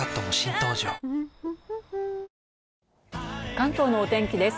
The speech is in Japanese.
関東のお天気です。